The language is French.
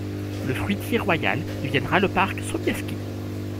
Le fruitier royal deviendra le parc Sobieski.